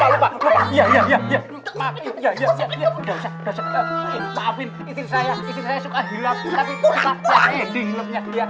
tapi suka jadi hilangnya